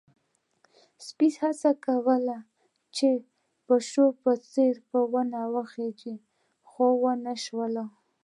سپي هڅه کوله چې د پيشو په څېر په ونې وخيژي، خو ونه شول.